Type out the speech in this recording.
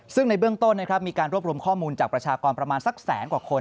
ซึ่งในเบื้องต้นนะครับมีการรวบรวมข้อมูลจากประชากรประมาณสักแสนกว่าคน